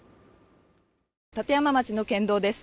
立山町の県道です